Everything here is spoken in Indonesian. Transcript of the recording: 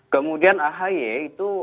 kemudian ahy itu